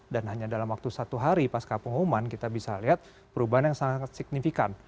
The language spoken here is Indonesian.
dan hanya dalam waktu satu hari pasca pengumuman kita bisa lihat perubahan yang sangat signifikan